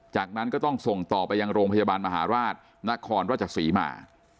จากนั้นก็ต้องส่งต่อไปยังโรงพยาบาลมหาราชนครราชศรีมา